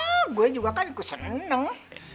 wah gue juga kan keseneng